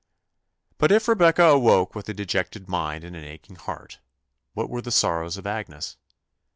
But if Rebecca awoke with a dejected mind and an aching heart, what were the sorrows of Agnes?